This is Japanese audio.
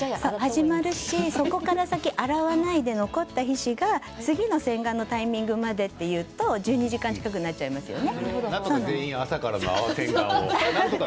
そこから先、洗わないで残った皮脂が次の洗顔のタイミングまでというと１２時間近くなってしまいますよね。